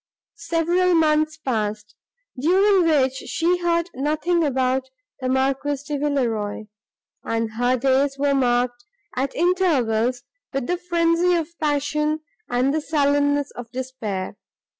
Several months passed, during which she heard nothing from the Marquis de Villeroi, and her days were marked, at intervals, with the frenzy of passion and the sullenness of despair.